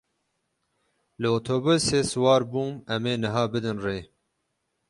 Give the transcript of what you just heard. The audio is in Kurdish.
Li otobûsê siwar bûm, em ê niha bidin rê.